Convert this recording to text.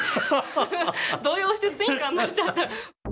動揺してスィンカになっちゃった。